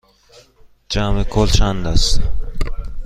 جمع کل چند است؟